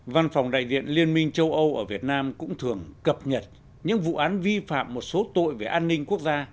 văn phòng đại diện liên minh châu âu ở việt nam cũng thường cập nhật những vụ án vi phạm một số tội về an ninh quốc gia